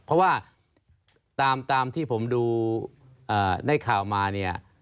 แล้วธนายอาญาการ